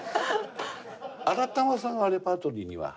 新珠さんはレパートリーには？